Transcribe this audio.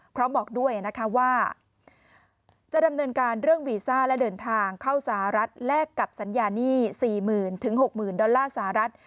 บอกด้วยนะคะว่าจะดำเนินการเรื่องวีซ่าและเดินทางเข้าสหรัฐแลกกับสัญญาหนี้๔๐๐๐๖๐๐๐ดอลลาร์สหรัฐ